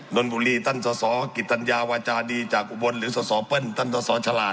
นนบุรีตั้นสอสอกิตัญญาวจาดีจากอุบลหรือสอสอเปิ้ลตั้นสอสอฉลาด